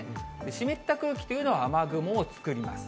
湿った空気というのは雨雲を作ります。